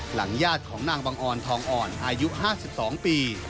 ญาติของนางบังออนทองอ่อนอายุ๕๒ปี